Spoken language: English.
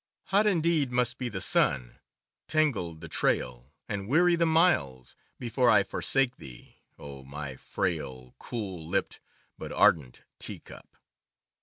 Hot indeed must be the sun, tangled the trail and weary the miles, before I for sake thee, O my frail, cool lipped, but ardent teacup!